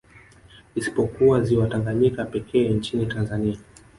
Isipokuwa ziwa Tanganyika pekee nchini Tanzania